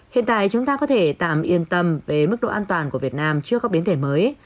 hiện tại chúng ta có thể tạm yên tâm về mức độ an toàn của việt nam trước các biến thể mới